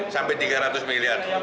sampai tiga ratus miliar